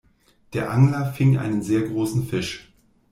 Der Angler fing einen sehr großen Fisch.